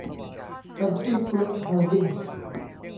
คันทรี่ กรุ๊ป โฮลดิ้งส์